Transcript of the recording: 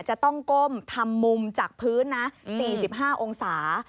จะต้องก้มทำมุมจากพื้นนะ๔๕องศา